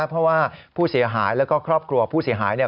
เพราะว่าผู้เสียหายแล้วก็ครอบครัวผู้เสียหายเนี่ย